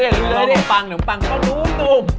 เฮ้ยดูเลยน้ำปังก็นุ่ม